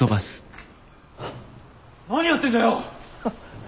何やってんだよ！